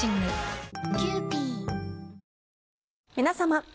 皆様。